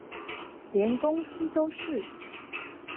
連公司都是？